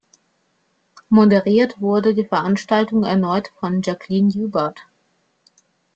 Moderiert wurde die Veranstaltung erneut von Jacqueline Joubert.